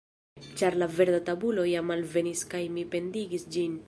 Ĉar la verda tabulo jam alvenis kaj mi pendigis ĝin.